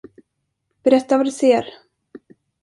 Berätta vad du ser.